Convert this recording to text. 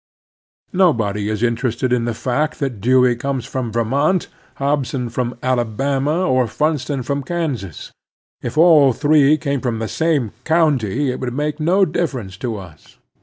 Nobody is interested in the fact that Dewey comes from Vermont, Hobson from Alabama, or Funston from Kansas. If all three came from the same county it would make no difference to us.